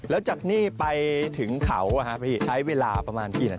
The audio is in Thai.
แล้วจากนี้ไปถึงเขาครับพี่ใช้เวลาประมาณกี่นะ